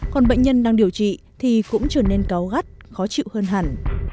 còn bệnh nhân đang điều trị thì cũng trở nên cáo gắt khó chịu hơn hẳn